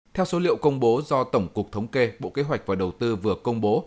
theo số liệu công bố do tổng cục thống kê bộ kế hoạch và đầu tư vừa công bố